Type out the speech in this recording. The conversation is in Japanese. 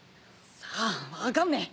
さぁわかんねえ。